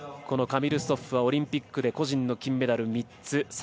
このカミル・ストッフはオリンピックで個人の金メダル３つ。